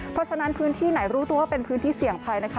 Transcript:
เพราะฉะนั้นพื้นที่ไหนรู้ตัวว่าเป็นพื้นที่เสี่ยงภัยนะคะ